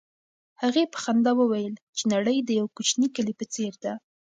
هغې په خندا وویل چې نړۍ د یو کوچني کلي په څېر ده.